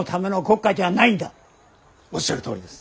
おっしゃるとおりです。